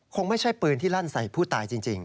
คงไม่ใช่ปืนที่ลั่นใส่ผู้ตายจริง